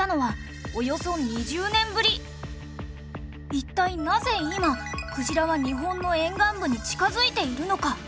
一体なぜ今クジラは日本の沿岸部に近づいているのか？